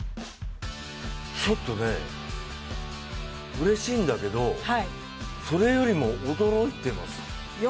ちょっと、うれしいんだけどそれよりも驚いています。